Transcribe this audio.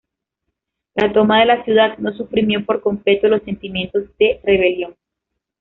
La toma de la ciudad no suprimió por completo los sentimientos de rebelión.